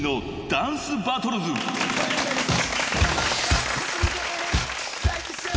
『ダンスバトルズ』です。